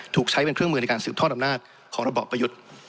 ถูกใช้เป็นเครื่องมือในการสืบทอดอำนาจของระบอบประยุทธ์